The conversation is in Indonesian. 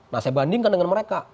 nah saya bandingkan dengan mereka